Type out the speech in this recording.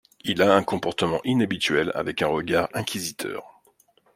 Il a un comportement inhabituel avec un regard inquisiteur.